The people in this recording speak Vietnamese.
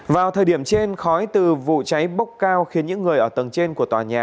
vào thời điểm trên khói từ vụ cháy bốc cao khiến những người ở tầng trên của tòa nhà